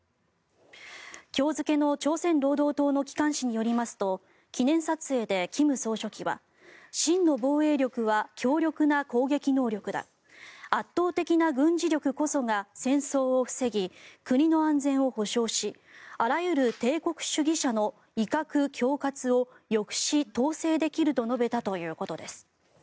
今日付の朝鮮労働党の機関紙によりますと記念撮影で金総書記は真の防衛力は強力な攻撃能力だ圧倒的な軍事力こそが戦争を防ぎ国の安全を保障しあらゆる帝国主義者の威嚇・恐喝を抑止・統制できると述べたということです。